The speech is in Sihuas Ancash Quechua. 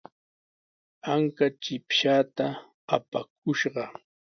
Anka chipshaata apakushqa.